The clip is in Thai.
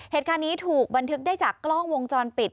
เหตุการณ์นี้ถูกบันทึกได้จากกล้องวงจรปิด